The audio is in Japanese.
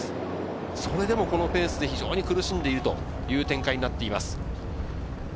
それでもこのペースで非常に苦しんでいる展開となっています。